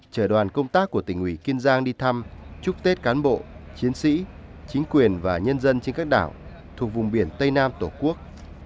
chờ đoàn công tác của tỉnh ủy kiên giang đi thăm chúc tết cán bộ chiến sĩ chính quyền và nhân dân trên các đảo thuộc vùng biển tây nam tổ quốc